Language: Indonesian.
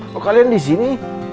kok kalian disini